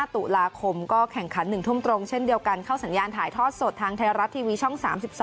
ตุลาคมก็แข่งขัน๑ทุ่มตรงเช่นเดียวกันเข้าสัญญาณถ่ายทอดสดทางไทยรัฐทีวีช่อง๓๒